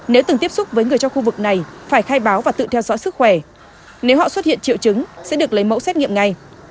nếu từng tiếp xúc với người trong khu vực này phải khai báo và tự theo dõi sức khỏe nếu họ xuất hiện triệu chứng sẽ được lấy mẫu xét nghiệm ngay